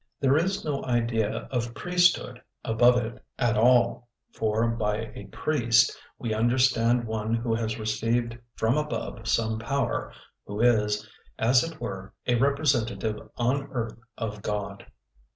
There is no idea of priesthood about it at all, for by a priest we understand one who has received from above some power, who is, as it were, a representative on earth of God.